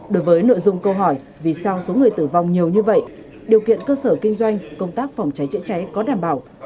đối với nội dung câu hỏi vì sao số người tử vong nhiều như vậy điều kiện cơ sở kinh doanh công tác phòng cháy chữa cháy có đảm bảo